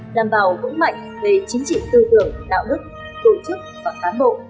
đảm bảo vững mạnh về chính trị tư tưởng đạo đức tổ chức và cán bộ